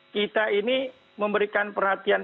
kita ini memberikan perhatian